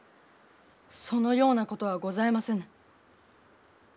そのようなことはございませぬ。